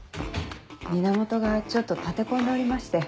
源がちょっと立て込んでおりまして。